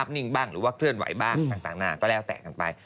จริงใครจะได้